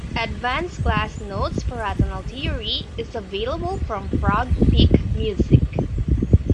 "Advanced Class Notes for Atonal Theory", is available from Frog Peak Music.